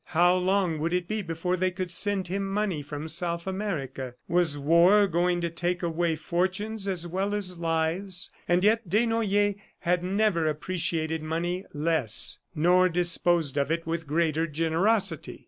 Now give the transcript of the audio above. How long would it be before they could send him money from South America? Was war going to take away fortunes as well as lives? ... And yet Desnoyers had never appreciated money less, nor disposed of it with greater generosity.